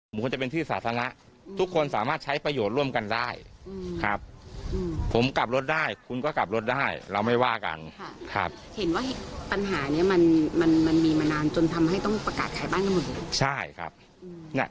มีมานานจนทำให้ต้องประกาศขายบ้านกันหมดเลยใช่ครับอืมเนี้ย